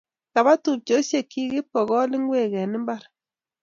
Kapa tupchosiekyi ipkokol ngwek eng mbar